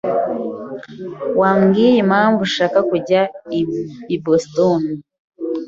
Wabwiye impamvu ushaka kujya i Boston?